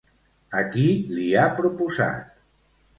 A qui li ha proposat?